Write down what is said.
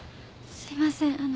すいませんあの。